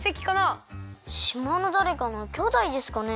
しまのだれかのきょうだいですかね？